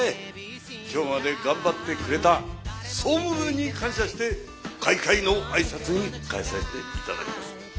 今日まで頑張ってくれた総務部に感謝して開会の挨拶に代えさせて頂きます。